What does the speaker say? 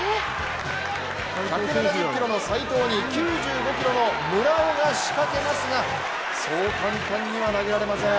１７０ｋｇの斉藤に９５ｋｇの村尾が仕掛けますがそう簡単には投げられません。